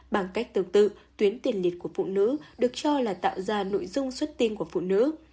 bằng cách tương tự tuyến tiền liệt của phụ nữ được cho là tạo ra nội dung xuất tin của phụ nữ